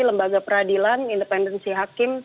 lembaga peradilan independensi hakim